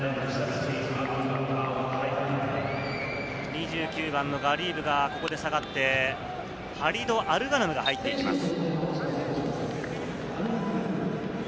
２９番のガリーブがここで下がって、ハリド・アルガナムが入っています。